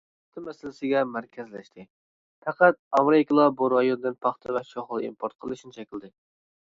پاختا مەسىلىسىگە مەركەزلەشتى، پەقەت ئامېرىكىلا بۇ رايوندىن پاختا ۋە شوخلا ئىمپورت قىلىشنى چەكلىدى.